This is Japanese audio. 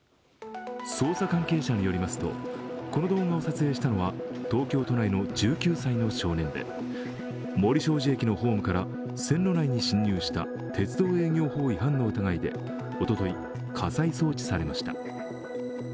捜査関係者によりますとこの動画を撮影したのは東京都内の１９歳の少年で森小路駅のホームから線路内に侵入した鉄道営業法違反の疑いでおととい、家裁送致されました。